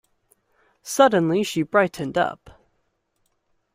Suddenly she brightened up.